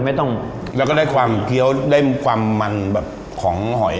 ไม่ต้องแล้วก็ได้ความเคี้ยวได้ความมันแบบของหอย